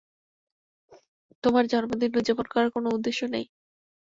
তোমার জন্মদিন উদযাপন করার কোন উদ্দেশ্য নেই।